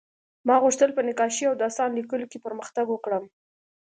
ما غوښتل په نقاشۍ او داستان لیکلو کې پرمختګ وکړم